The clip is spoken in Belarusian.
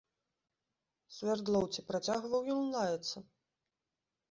Свярдлоў, ці працягваў ён лаяцца?